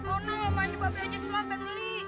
oh no mama nyoba bayi aja selamatkan beli